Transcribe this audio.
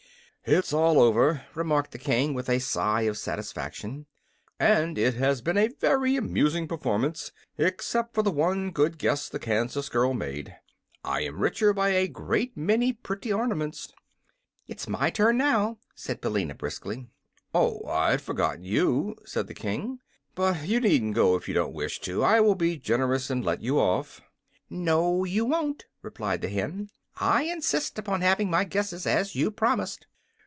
"It's all over," remarked the King, with a sigh of satisfaction; "and it has been a very amusing performance, except for the one good guess the Kansas girl made. I am richer by a great many pretty ornaments." "It is my turn, now," said Billina, briskly. "Oh, I'd forgotten you," said the King. "But you needn't go if you don't wish to. I will be generous, and let you off." "No you won't," replied the hen. "I insist upon having my guesses, as you promised."